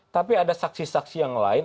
tapi ada saksi saksi yang lain